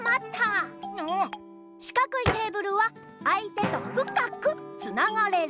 しかくいテーブルはあい手とふかくつながれる。